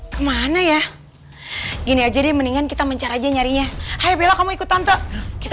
kemana ya gini aja deh mendingan kita mencari aja nyarinya hai bella kamu ikut tante kita